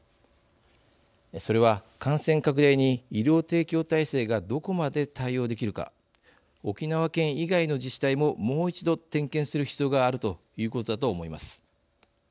それは感染拡大に医療提供体制がどこまで対応できるか沖縄県以外の自治体ももう一度、点検する必要があるということだと思います。